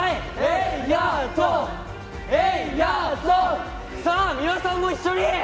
さあ皆さんも一緒に！